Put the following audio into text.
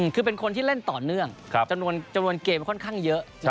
คือเป็นคนที่เล่นต่อเนื่องจำนวนเกมค่อนข้างเยอะ